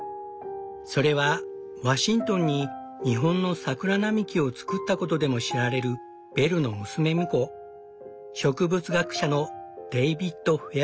それはワシントンに日本の桜並木を作ったことでも知られるベルの娘婿植物学者のデイビッド・フェア